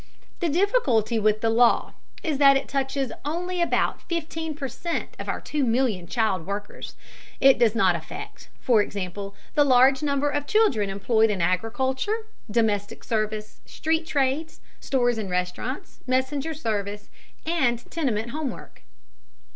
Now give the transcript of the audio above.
The difficulty with the law is that it touches only about fifteen per cent of our two million child workers. It does not affect, for example, the large number of children employed in agriculture, domestic service, street trades, stores and restaurants, messenger service, and tenement homework.